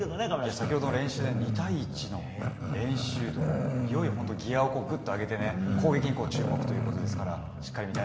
先ほどの練習の２対１の練習っていよいよ本当にギアをぐっと上げて攻撃に注目ですから。